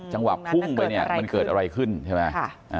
จังหวะพุ่งไปเนี่ยมันเกิดอะไรขึ้นใช่ไหม